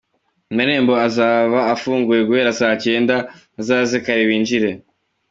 Amarembo azaba afunguye guhera saa cyenda, bazaze kare binjire.